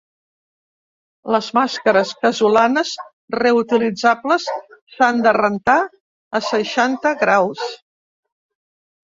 Les màscares casolanes reutilitzables s’han de rentar a seixanta graus.